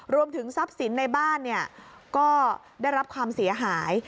รวมถึงทรัพย์สินในบ้านก็ได้รับความเสียหาย